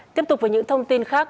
tiếp tục với những thông tin khác